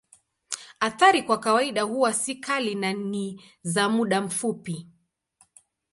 Athari kwa kawaida huwa si kali na ni za muda mfupi.